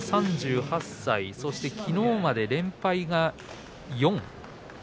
松鳳山は３８歳そしてきのうまで連敗が４。